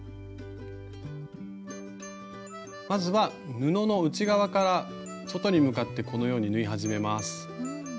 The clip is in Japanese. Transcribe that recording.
まずは布の内側から外に向かってこのように縫い始めます。